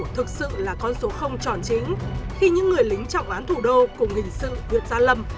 thực sự là con số không chọn chính khi những người lính trọng án thủ đô cùng hình sự được ra lầm